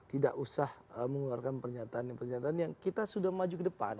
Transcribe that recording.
tidak usah mengeluarkan pernyataan pernyataan yang kita sudah maju ke depan